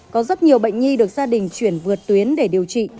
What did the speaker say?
có rất nhiều bệnh nhi được gia đình chuyển vượt tuyến để điều trị